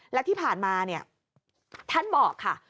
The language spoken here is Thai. แล้วที่ผ่านมาเนี่ยท่านบอกค่ะ